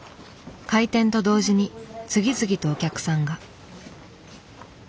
開店と同時に次々とお客さんが。